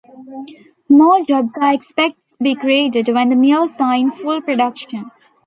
More jobs are expected to be created when the mills are in full production.